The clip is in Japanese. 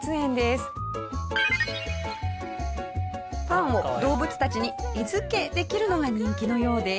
パンを動物たちに餌付けできるのが人気のようです。